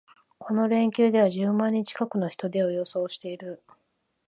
この連休では十万人近くの人出を予想している